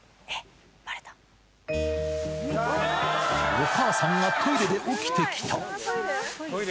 お母さんがトイレで起きてきた。